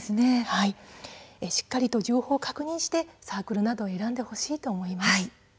しっかりと情報を確認してサークルなどを選んでほしいと思います。